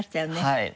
はい。